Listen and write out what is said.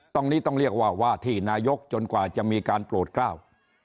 ตรงนี้ต้องเรียกว่าว่าที่นายกจนกว่าจะมีการโปรดกล้าว